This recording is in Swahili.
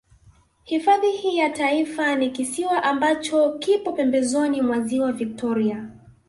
Hifadhi hii ya Taifa ni kisiwa ambacho kipo pembezoni mwa Ziwa Victoria